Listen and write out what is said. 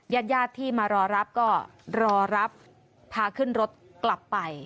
ญาติญาติที่มารอรับก็รอรับพาขึ้นรถกลับไป